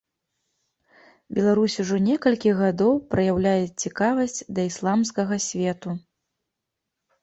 Беларусь ужо некалькі гадоў праяўляе цікавасць да ісламскага свету.